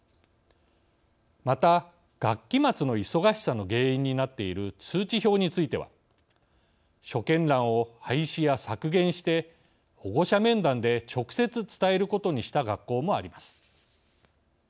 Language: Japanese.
また学期末の忙しさの原因になっている通知表については所見欄を廃止や削減して保護者面談で直接伝えることにした学校もあります。